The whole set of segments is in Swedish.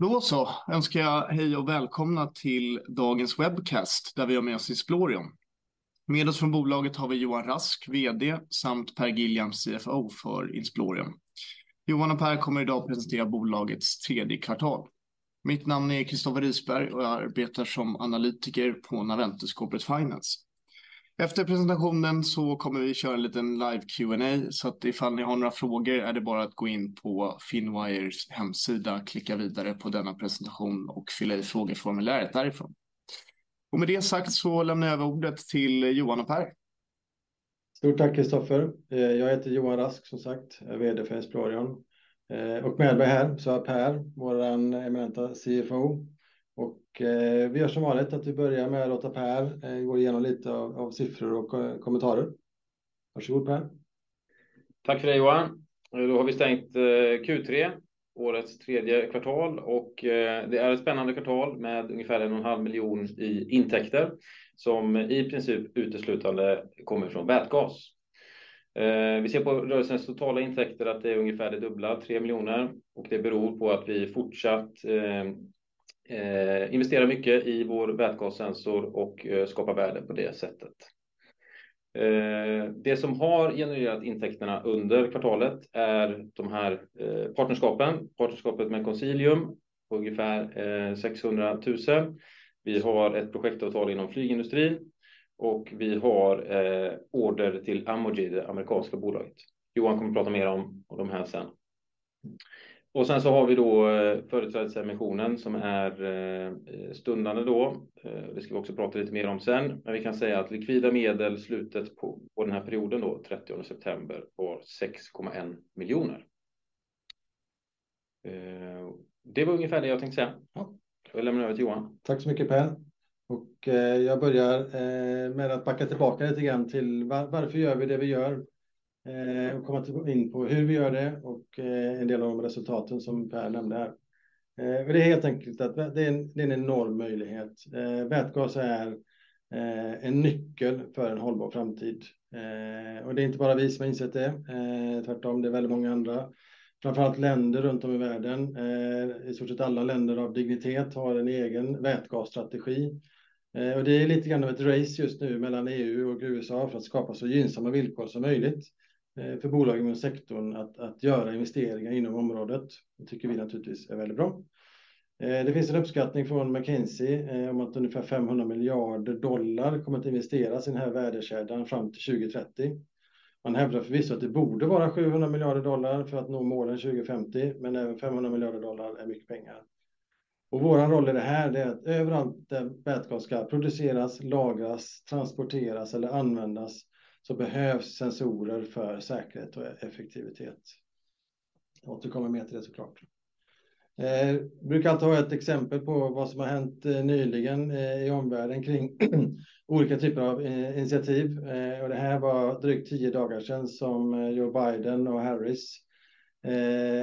Då så önskar jag hej och välkomna till dagens webcast, där vi har med oss Explorium. Med oss från bolaget har vi Johan Rask, VD, samt Per Gilljam, CFO för Explorium. Johan och Per kommer idag presentera bolagets tredje kvartal. Mitt namn är Christoffer Risberg och jag arbetar som analytiker på Navanthus Corporate Finance. Efter presentationen så kommer vi köra en liten live Q&A, så att ifall ni har några frågor är det bara att gå in på Finwire's hemsida, klicka vidare på denna presentation och fylla i frågeformuläret därifrån. Och med det sagt så lämnar jag över ordet till Johan och Per. Stort tack, Christoffer. Jag heter Johan Rask, som sagt, VD för Explorium. Och med mig här så har Per, vår eminenta CFO. Och vi gör som vanligt att vi börjar med att låta Per gå igenom lite av siffror och kommentarer. Varsågod, Per. Tack för det, Johan. Då har vi stängt Q3, årets tredje kvartal och det är ett spännande kvartal med ungefär en och en halv miljon i intäkter som i princip uteslutande kommer från vätgas. Vi ser på rörelsens totala intäkter att det är ungefär det dubbla, tre miljoner, och det beror på att vi fortsatt investerar mycket i vår vätgassensor och skapar värde på det sättet. Det som har genererat intäkterna under kvartalet är de här partnerskapen. Partnerskapet med Consilium på ungefär sexhundratusen. Vi har ett projektavtal inom flygindustrin och vi har order till Amogid, det amerikanska bolaget. Johan kommer att prata mer om de här sen. Sen så har vi då företrädesemissionen som är stundande då. Det ska vi också prata lite mer om sedan, men vi kan säga att likvida medel, slutet på den här perioden då, trettionde september, var 6,1 miljoner. Det var ungefär det jag tänkte säga. Ja, då lämnar jag över till Johan. Tack så mycket, Per. Jag börjar med att backa tillbaka lite grann till varför gör vi det vi gör, och komma in på hur vi gör det och en del av resultaten som Per nämnde här. Det är helt enkelt att det är en enorm möjlighet. Vätgas är en nyckel för en hållbar framtid. Det är inte bara vi som har insett det. Tvärtom, det är väldigt många andra, framför allt länder runt om i världen. I stort sett alla länder av dignitet har en egen vätgasstrategi. Det är lite grann av ett race just nu mellan EU och USA för att skapa så gynnsamma villkor som möjligt för bolagen och sektorn att göra investeringar inom området. Det tycker vi naturligtvis är väldigt bra. Det finns en uppskattning från McKinsey om att ungefär $500 miljarder kommer att investeras i den här värdekedjan fram till 2030. Man hävdar förvisst att det borde vara $700 miljarder för att nå målen 2050, men även $500 miljarder är mycket pengar. Vår roll i det här är att överallt där vätgas ska produceras, lagras, transporteras eller användas, så behövs sensorer för säkerhet och effektivitet. Återkommer mer till det, så klart. Brukar alltid ha ett exempel på vad som har hänt nyligen i omvärlden kring olika typer av initiativ. Det här var drygt tio dagar sedan som Joe Biden och Harris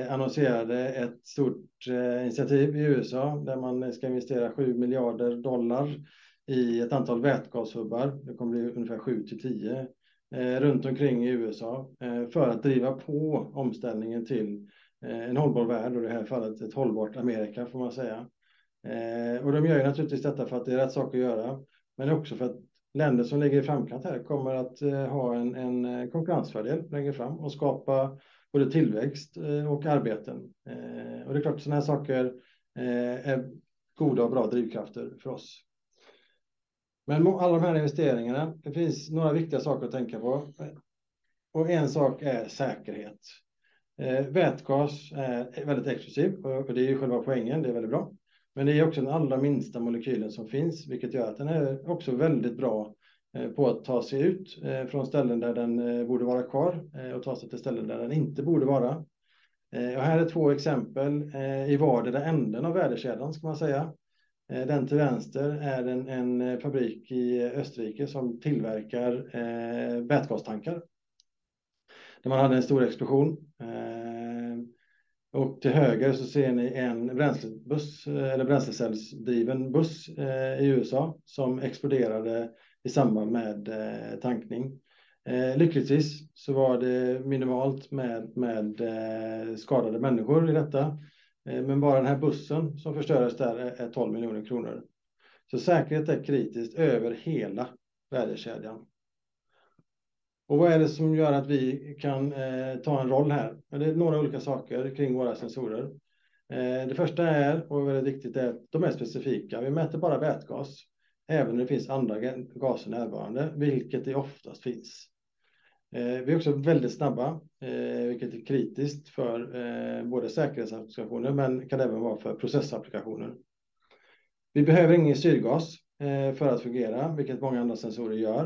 annonserade ett stort initiativ i USA, där man ska investera $7 miljarder i ett antal vätgashubbar. Det kommer bli ungefär sju till tio runt omkring i USA för att driva på omställningen till en hållbar värld och i det här fallet ett hållbart Amerika, får man säga. Och de gör ju naturligtvis detta för att det är rätt sak att göra, men också för att länder som ligger i framkant här kommer att ha en konkurrensfördel längre fram och skapa både tillväxt och arbeten. Det är klart att sådana här saker är goda och bra drivkrafter för oss. Men med alla de här investeringarna, det finns några viktiga saker att tänka på och en sak är säkerhet. Vätgas är väldigt explosiv och det är själva poängen, det är väldigt bra. Men det är också den allra minsta molekylen som finns, vilket gör att den är också väldigt bra på att ta sig ut från ställen där den borde vara kvar och ta sig till ställen där den inte borde vara. Här är två exempel i vardera änden av värdekedjan, ska man säga. Den till vänster är en fabrik i Österrike som tillverkar vätgastankar, där man hade en stor explosion. Till höger så ser ni en bränslebuss eller bränslecellsdriven buss i USA som exploderade i samband med tankning. Lyckligtvis så var det minimalt med skadade människor i detta, men bara den här bussen som förstördes där är 12 miljoner kronor. Så säkerhet är kritiskt över hela värdekedjan. Vad är det som gör att vi kan ta en roll här? Det är några olika saker kring våra sensorer. Det första är, och väldigt viktigt, är att de är specifika. Vi mäter bara vätgas, även när det finns andra gaser närvarande, vilket det oftast finns. Vi är också väldigt snabba, vilket är kritiskt för både säkerhetsapplikationer, men kan även vara för processapplikationer. Vi behöver ingen syrgas för att fungera, vilket många andra sensorer gör.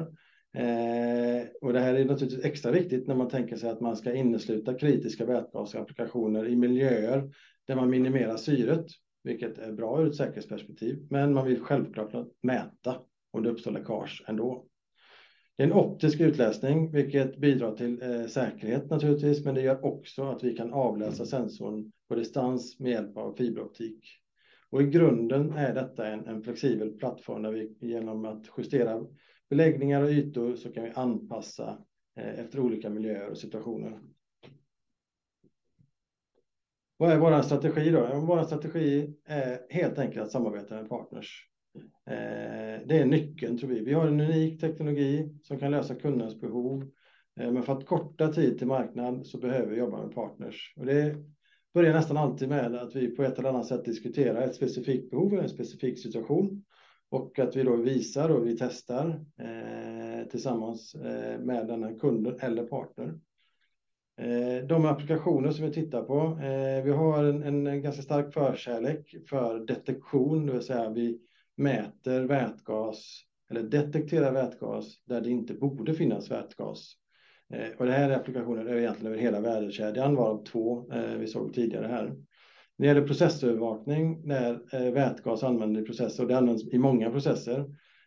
Och det här är naturligtvis extra viktigt när man tänker sig att man ska innesluta kritiska vätgasapplikationer i miljöer där man minimerar syret, vilket är bra ur ett säkerhetsperspektiv, men man vill självklart mäta om det uppstår läckage ändå. Det är en optisk utläsning, vilket bidrar till säkerhet naturligtvis, men det gör också att vi kan avläsa sensorn på distans med hjälp av fiberoptik. Och i grunden är detta en flexibel plattform där vi igenom att justera beläggningar och ytor så kan vi anpassa efter olika miljöer och situationer. Vad är vår strategi då? Vår strategi är helt enkelt att samarbeta med partners. Det är nyckeln tror vi. Vi har en unik teknologi som kan lösa kundernas behov, men för att korta tid till marknaden så behöver vi jobba med partners. Och det börjar nästan alltid med att vi på ett eller annat sätt diskuterar ett specifikt behov eller en specifik situation och att vi då visar och vi testar tillsammans med denna kunden eller partner. De applikationer som vi tittar på, vi har en ganska stark förkärlek för detektion, det vill säga vi mäter vätgas eller detekterar vätgas där det inte borde finnas vätgas. Och det här är applikationen över egentligen hela värdekedjdan varav två vi såg tidigare här. När det gäller processövervakning, där vätgas använder i processer och det används i många processer,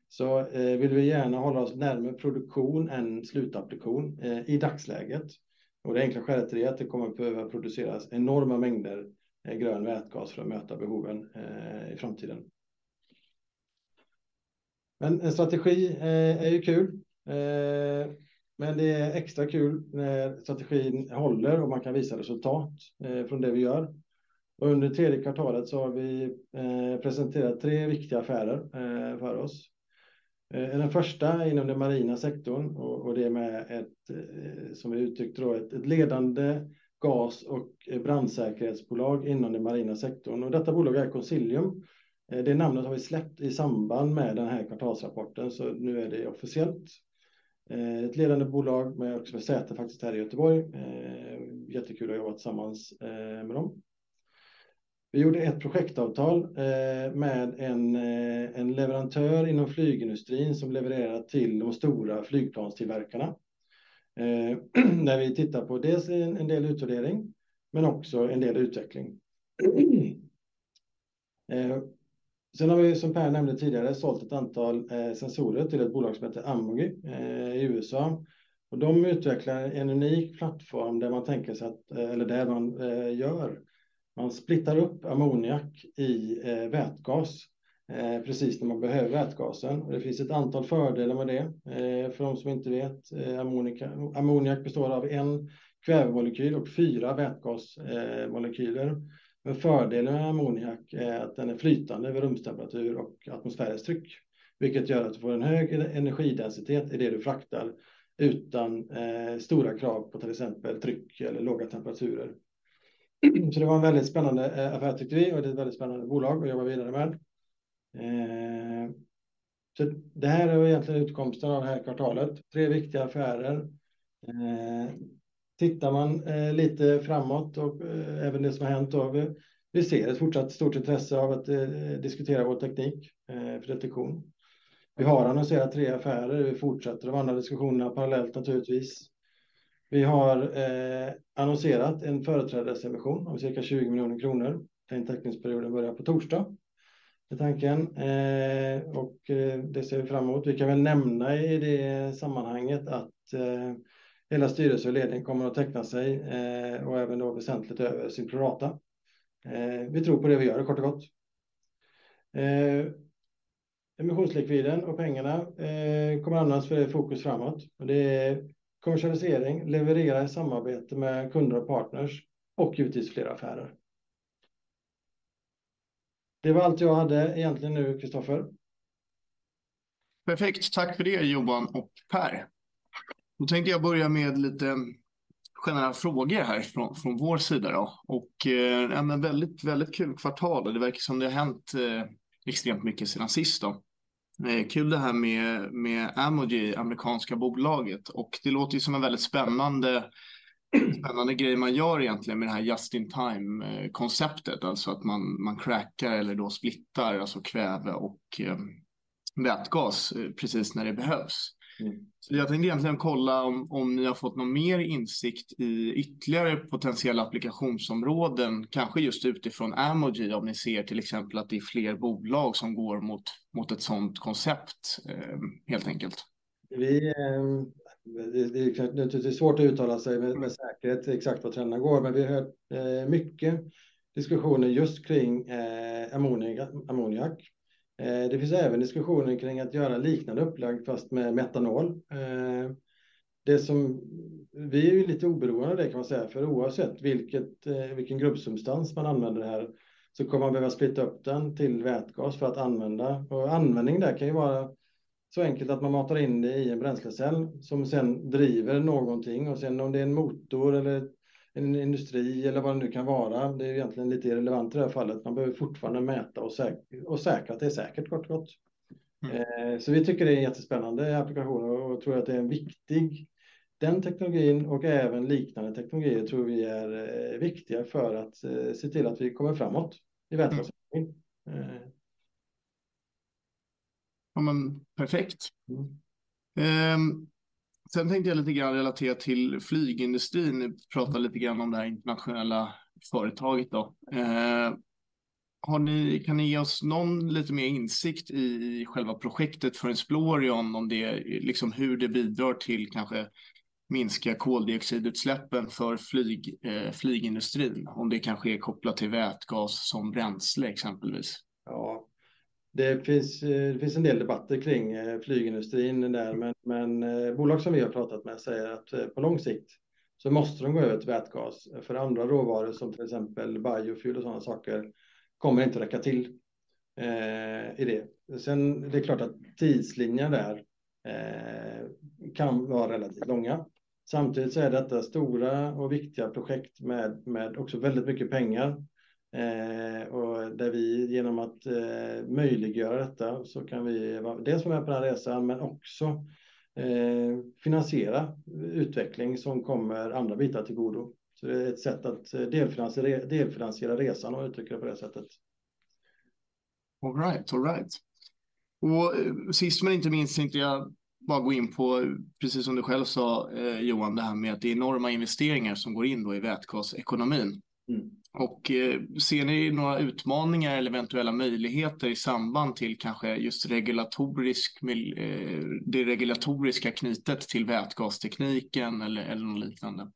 så vill vi gärna hålla oss närmare produktion än slutapplikation i dagsläget. Och det enkla skälet till det är att det kommer att behöva produceras enorma mängder grön vätgas för att möta behoven i framtiden. Men en strategi är ju kul, men det är extra kul när strategin håller och man kan visa resultat från det vi gör. Under tredje kvartalet så har vi presenterat tre viktiga affärer för oss. Den första inom den marina sektorn och det är med ett, som vi uttryckt, ett ledande gas- och brandsäkerhetsbolag inom den marina sektorn. Detta bolag är Consilium. Det namnet har vi släppt i samband med den här kvartalsrapporten, så nu är det officiellt. Ett ledande bolag med också med säte faktiskt här i Göteborg. Jättekul att jobba tillsammans med dem. Vi gjorde ett projektavtal med en leverantör inom flygindustrin som levererar till de stora flygplanstillverkarna. När vi tittar på dels en del utvärdering, men också en del utveckling. Sen har vi, som Per nämnde tidigare, sålt ett antal sensorer till ett bolag som heter Amogy i USA. De utvecklar en unik plattform där man tänker sig att, eller det är vad man gör. Man splittar upp ammoniak i vätgas, precis när man behöver vätgasen. Det finns ett antal fördelar med det. För de som inte vet, ammoniak består av en kvävmolekyl och fyra vätgasmolekyler. Men fördelen med ammoniak är att den är flytande vid rumstemperatur och atmosfäriskt tryck, vilket gör att du får en hög energidensitet i det du fraktar utan stora krav på till exempel tryck eller låga temperaturer. Så det var en väldigt spännande affär, tyckte vi, och det är ett väldigt spännande bolag att jobba vidare med. Det här är egentligen utkomsten av det här kvartalet. Tre viktiga affärer. Tittar man lite framåt och även det som har hänt, vi ser ett fortsatt stort intresse av att diskutera vår teknik för detektion. Vi har annonserat tre affärer, vi fortsätter de andra diskussionerna parallellt, naturligtvis. Vi har annonserat en företrädesemission om cirka 20 miljoner kronor. Den teckningsperioden börjar på torsdag. Det är tanken och det ser vi fram emot. Vi kan väl nämna i det sammanhanget att hela styrelsen och ledningen kommer att teckna sig och även då väsentligt över sin pro rata. Vi tror på det vi gör, det kort och gott. Emissionslikviden och pengarna kommer annars för fokus framåt. Det är kommersialisering, leverera i samarbete med kunder och partners och givetvis fler affärer. Det var allt jag hade egentligen nu, Christoffer. Perfekt, tack för det, Johan och Per. Då tänkte jag börja med lite generella frågor här från vår sida. Ja, men väldigt, väldigt kul kvartal. Det verkar som det har hänt extremt mycket sedan sist då. Kul, det här med Amogy, det amerikanska bolaget. Det låter som en väldigt spännande, spännande grej man gör egentligen med det här just in time-konceptet, alltså att man crackar eller då splittar, alltså kväve och vätgas precis när det behövs. Så jag tänkte egentligen kolla om ni har fått någon mer insikt i ytterligare potentiella applikationsområden, kanske just utifrån Amogy, om ni ser till exempel att det är fler bolag som går mot ett sådant koncept, helt enkelt. Vi, det är naturligtvis svårt att uttala sig med säkerhet exakt var trenden går, men vi hör mycket diskussioner just kring ammoniak, ammoniak. Det finns även diskussioner kring att göra liknande upplägg, fast med metanol. Det som, vi är lite oberoende av det kan man säga, för oavsett vilket, vilken grundsubstans man använder det här, så kommer man behöva splitta upp den till vätgas för att använda. Användning, det kan ju vara så enkelt att man matar in det i en bränslecell som sedan driver någonting och sedan om det är en motor eller en industri eller vad det nu kan vara, det är egentligen lite irrelevant i det här fallet. Man behöver fortfarande mäta och säkra, och säkra att det är säkert, kort och gott. Vi tycker det är jättespännande applikation och tror att det är en viktig, den teknologin och även liknande teknologier tror vi är viktiga för att se till att vi kommer framåt i vätgas. Ja, men perfekt. Sen tänkte jag lite grann relatera till flygindustrin, prata lite grann om det här internationella företaget då. Har ni, kan ni ge oss någon lite mer insikt i själva projektet för Exploration, om det, liksom hur det bidrar till kanske minska koldioxidutsläppen för flyg, flygindustrin, om det kanske är kopplat till vätgas som bränsle, exempelvis? Det finns en del debatter kring flygindustrin där, men bolag som vi har pratat med säger att på lång sikt så måste de gå över till vätgas för andra råvaror, som till exempel biofuel och sådana saker, kommer inte räcka till i det. Sen det är klart att tidslinjer där kan vara relativt långa. Samtidigt så är detta stora och viktiga projekt med också väldigt mycket pengar. Och där vi igenom att möjliggöra detta så kan vi vara dels med på den här resan, men också finansiera utveckling som kommer andra bitar till godo. Så det är ett sätt att delfinansiera resan och uttrycka det på det sättet. All right, all right. Och sist men inte minst tänkte jag bara gå in på, precis som du själv sa, Johan, det här med att det är enorma investeringar som går in då i vätgasekonomin. Och ser ni några utmaningar eller eventuella möjligheter i samband till kanske just regulatorisk, det regulatoriska knutet till vätgastekniken eller något liknande?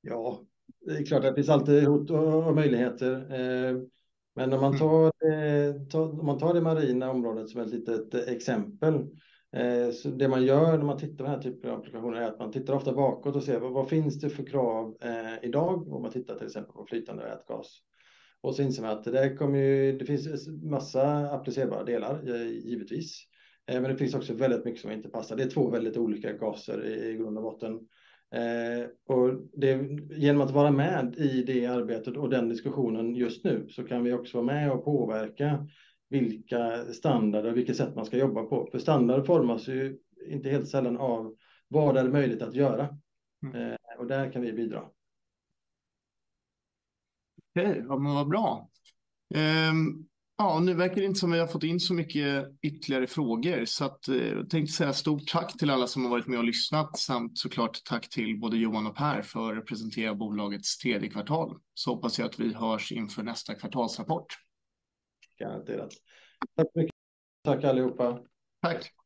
Ja, det är klart, det finns alltid hot och möjligheter. Men om man tar det marina området som ett litet exempel. Det man gör när man tittar på den här typen av applikationer är att man tittar ofta bakåt och ser vad finns det för krav idag? Om man tittar till exempel på flytande vätgas. Och så inser man att det kommer ju, det finns en massa applicerbara delar, givetvis, men det finns också väldigt mycket som inte passar. Det är två väldigt olika gaser i grund och botten. Och genom att vara med i det arbetet och den diskussionen just nu, så kan vi också vara med och påverka vilka standarder och vilket sätt man ska jobba på. För standard formas ju inte helt sällan av vad är det möjligt att göra? Och där kan vi bidra. Okej, ja men vad bra! Ja, nu verkar det inte som vi har fått in så mycket ytterligare frågor, så att jag tänkte säga stort tack till alla som har varit med och lyssnat, samt så klart tack till både Johan och Per för att presentera bolagets tredje kvartal. Hoppas jag att vi hörs inför nästa kvartalsrapport. Tack så mycket. Tack allihopa. Tack!